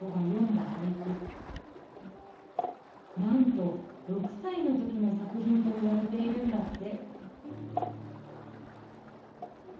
なんと６さいの時の作ひんといわれているんだって。